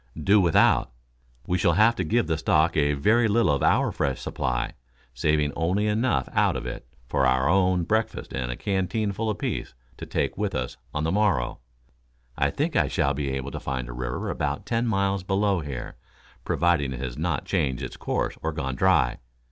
"Do without it. We shall have to give the stock a very little of our fresh supply, saving only enough out of it for our own breakfast and a canteen full apiece to take with us on the morrow. I think I shall be able to find a river about ten miles below here, providing it has not changed its course or gone dry.